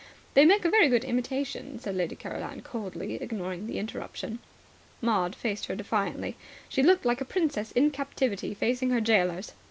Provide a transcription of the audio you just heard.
"They make a very good imitation," said Lady Caroline coldly, ignoring the interruption. Maud faced her defiantly. She looked like a princess in captivity facing her gaolers.